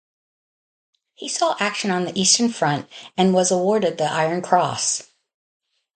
He saw action on the Eastern Front and was awarded the Iron Cross.